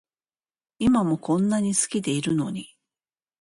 今もこんなに好きでいるのに